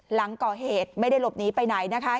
หลังก่อเหตุไม่ได้หลบหนีไปไหนนะคะ